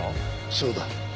そうだ。